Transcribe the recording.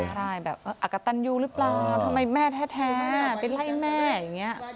ใช่แบบอักกะตันยูหรือเปล่าทำไมแม่แท้ไปไล่แม่อย่างนี้